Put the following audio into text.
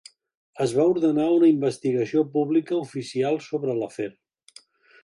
Es va ordenar una investigació pública oficial sobre l'afer.